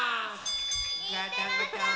いってらっしゃい。